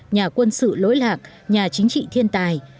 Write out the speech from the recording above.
nhà quân sự lỗi lạc nhà chính trị thiên tài